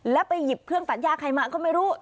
แล้วไปหยิบเครื่องตัดย่าใครมาก็ไม่รู้